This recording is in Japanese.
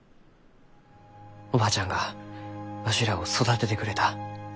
おばあちゃんがわしらを育ててくれた。